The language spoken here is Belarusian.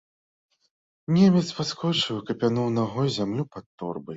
Немец падскочыў і капянуў нагой зямлю пад торбай.